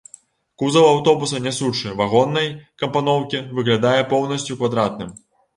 Кузаў аўтобуса нясучы, вагоннай кампаноўкі, выглядае поўнасцю квадратным.